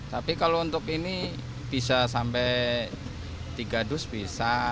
tapi kalau untuk ini bisa sampai tiga dus bisa